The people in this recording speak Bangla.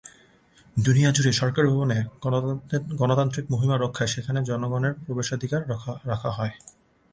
দুনিয়াজুড়েই সরকারি ভবনের গণতান্ত্রিক মহিমা রক্ষায় সেখানে জনগণের প্রবেশাধিকার রাখা হয়।